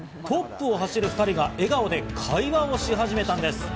トップを走る２人が笑顔で会話をし始めたんです。